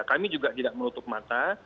kami juga tidak menutup mata